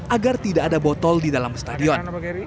agar tidak ada botol di dalam stadion